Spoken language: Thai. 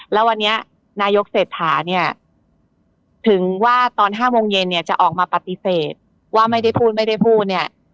แล้ววันนี้นายกเศรษฐาเนี่ยถึงว่าตอน๕โมงเย็นเนี่ยจะออกมาปฏิเสธว่าไม่ได้พูดไม่ได้พูดเนี่ย